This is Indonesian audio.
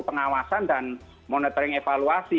pengawasan dan monitoring evaluasi